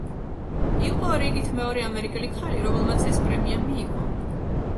იყო რიგით მეორე ამერიკელი ქალი, რომელმაც ეს პრემია მიიღო.